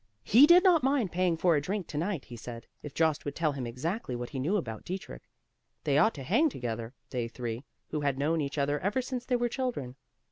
He did not mind paying for a drink to night, he said, if Jost would tell him exactly what he knew about Dietrich; they ought to hang together, they three, who had known each other ever since they were children.